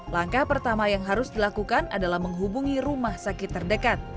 langkah pertama yang harus dilakukan adalah menghubungi rumah sakit terdekat